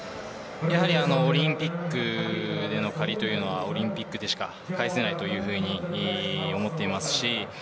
オリンピックでの借りというのは、オリンピックでしか返せないというふうに思っています。